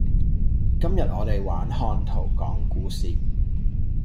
今日我哋玩看圖講故事